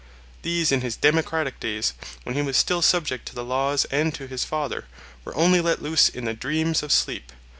These in his democratic days, when he was still subject to the laws and to his father, were only let loose in the dreams of sleep.